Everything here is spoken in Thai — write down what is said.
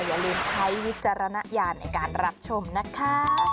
อย่าลืมใช้วิจารณญาณในการรับชมนะคะ